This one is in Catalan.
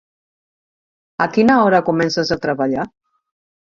A quina hora comences a treballar?